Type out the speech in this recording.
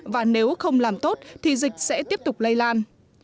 và nếu không làm tốt thì dịch sẽ tiếp tục lây lan